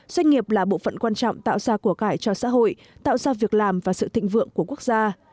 doanh nghiệp là bộ phận quan trọng tạo ra của cải cho xã hội tạo ra việc làm và sự thịnh vượng của quốc gia